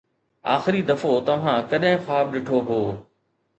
آخري دفعو توهان ڪڏهن خواب ڏٺو هو؟